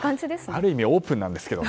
ある意味オープンなんですけど。